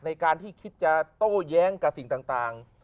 ในการที่คิดจะโต้แย้งกับสิ่งต่าง